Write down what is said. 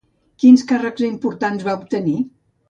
Quins càrrecs importants va obtenir?